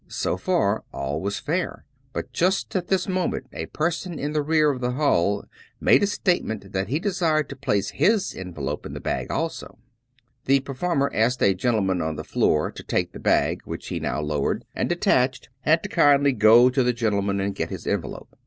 So far all was fair; but just at this moment a person in the rear of the hall made the statement that he desired to place his en velope in the bag also. The performer asked a gentleman on the floor to take the bag, which he now lowered and detached, and to kindly go to the gentleman and get his envelope.